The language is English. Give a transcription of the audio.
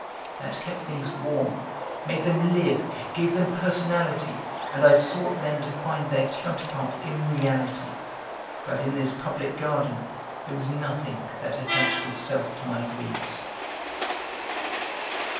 That kept things warm, made them live, gave them personality, and I sought then to find their counterpart in reality, but in this public garden there was nothing that attached itself to my dreams.